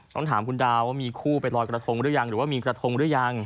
ต้องถามคุณดาวว่ามีคู่ไปลอยกระทงหรือยังหรือว่ามีกระทงหรือยัง